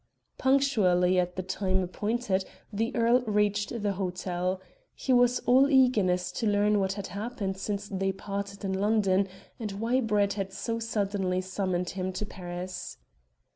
Punctually at the time appointed the earl reached the hotel. He was all eagerness to learn what had happened since they parted in London, and why Brett had so suddenly summoned him to Paris.